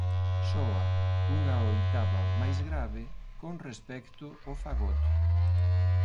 Soa unha oitava máis grave con respecto ó fagot.